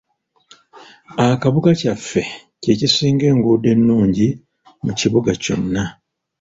Akabuga kyaffe kye kisinga enguddo enungi mu kibuga kyonna.